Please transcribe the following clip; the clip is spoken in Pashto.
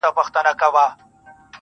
تا څه کول جانانه چي راغلی وې وه کور ته.